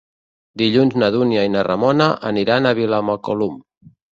Dilluns na Dúnia i na Ramona aniran a Vilamacolum.